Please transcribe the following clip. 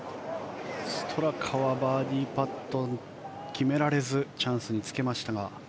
ストラカはバーディーパットを決められずチャンスにつけましたが。